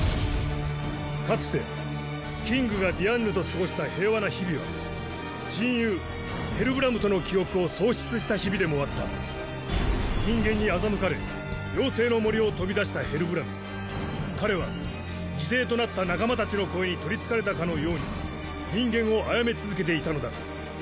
かつてキングがディアンヌと過ごした平和な日々は親友ヘルブラムとの記憶を喪失した日々でもあった人間に欺かれ妖精の森を飛び出したヘルブラム彼は犠牲となった仲間たちの声に取り憑かれたかのように人間を殺め続けていたのだ